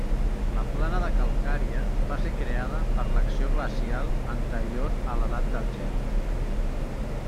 La plana de calcària va ser creada per l'acció glacial anterior a l'edat del gel.